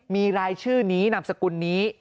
มีรายชื่อนี้นามสกุลนี้